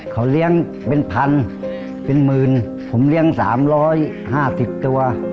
เขาเลี้ยงเป็นพันเป็นหมื่นผมเลี้ยง๓๕๐ตัว